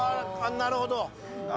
なるほど。